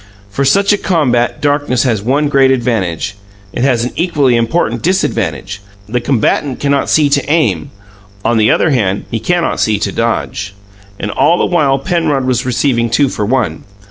For such a combat darkness has one great advantage; but it has an equally important disadvantage the combatant cannot see to aim; on the other hand, he cannot see to dodge. And all the while Penrod was receiving two for one.